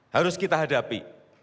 harus kita hadapi